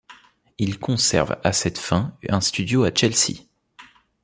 Il conserve à cette fin un studio à Chelsea.